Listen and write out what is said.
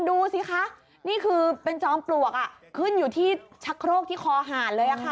ดูสิคะนี่คือเป็นจอมปลวกขึ้นอยู่ที่ชักโครกที่คอหารเลยค่ะ